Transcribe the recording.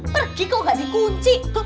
pergi kok gak di kunci